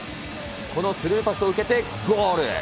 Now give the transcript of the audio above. このスルーパスを受けてゴール。